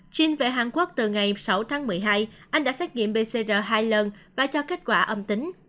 chuyên về hàn quốc từ ngày sáu tháng một mươi hai anh đã xét nghiệm pcr hai lần và cho kết quả âm tính